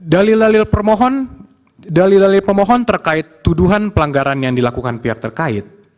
dalil dalil pemohon terkait tuduhan pelanggaran yang dilakukan pihak terkait